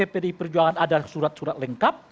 pdi perjuangan ada surat surat lengkap